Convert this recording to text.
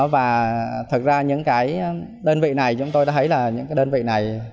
và thực ra những cái đơn vị này chúng tôi đã thấy là những cái đơn vị này